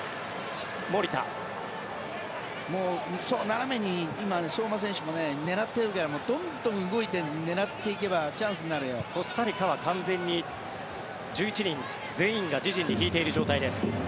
斜めに今相馬選手も狙ってるからどんどん動いて狙っていけばコスタリカは完全に１１人全員が自陣に引いている状態です。